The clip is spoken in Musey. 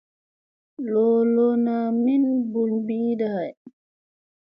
Loloona min mɓul ɓiiɗa hay.